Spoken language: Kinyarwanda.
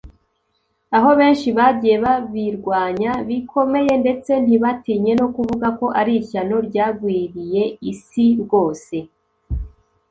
aho benshi bagiye babirwanya bikomeye ndetse ntibatinye no kuvuga ko ari ishyano ryagwiriye isi rwose